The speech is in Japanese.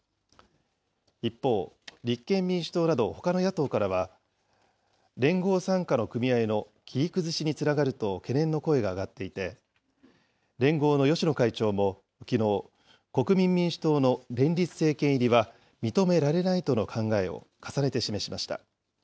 一方、立憲民主党などほかの野党からは、連合傘下の組合の切り崩しにつながると懸念の声が上がっていて、連合の芳野会長もきのう、国民民主党の連立政権入りは認められないとの考えを重ねて示しました。